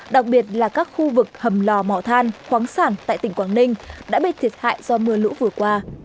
đặc biệt là các khu vực hầm lò mỏ than khoáng sản tại tỉnh quảng ninh đã bị thiệt hại do mưa lũ vừa qua